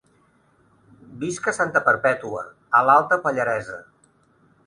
Visc a Santa Perpètua, a l'Alta Pallaresa.